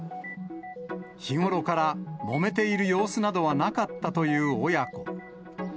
日頃からもめている様子などはなかったという親子。